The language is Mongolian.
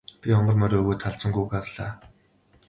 Би хонгор морио өгөөд халзан гүүг авлаа.